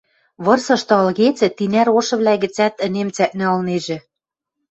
Вырсышты ылгецӹ, тинӓр ошывлӓ гӹцӓт ӹнем цӓкнӹ ылнежӹ.